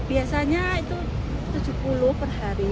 biasanya itu tujuh puluh per hari